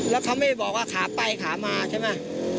แล้วเขาไม่ได้บอกว่าขาไปขามาใช่ไหม